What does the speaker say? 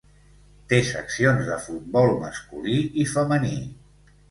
Té seccions de futbol masculí i femení.